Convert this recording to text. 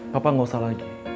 papa gak usah lagi